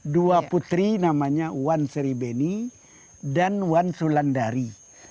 dua putri namanya wan sri beni dan wan sulandari